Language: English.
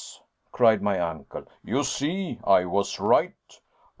cried my uncle. "You see, I was right.